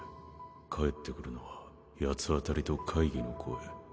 返ってくるのはやつ当たりと懐疑の声。